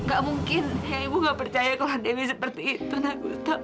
enggak mungkin ya ibu gak percaya kalau dewi seperti itu nak gustaf